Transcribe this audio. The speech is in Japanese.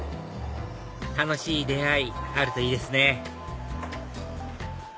楽しい出会いあるといいですね